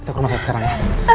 kita ke rumah sakit sekarang ya